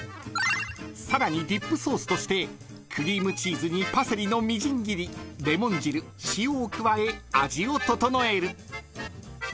［さらにディップソースとしてクリームチーズにパセリのみじん切りレモン汁塩を加え味を調える］